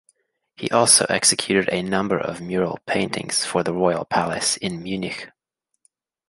He also executed a number of mural paintings for the royal palace in Munich.